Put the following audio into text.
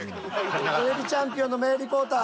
「ＴＶチャンピオン」の名リポーター。